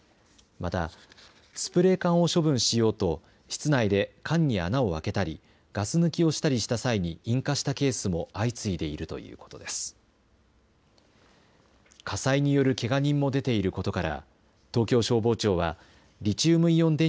また、スプレー缶を処分しようと室内で缶に穴を開けたりガス抜きをしたりした際に引火したケースも相次いでいるということです。